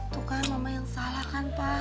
tuh kan mama yang salah kan pak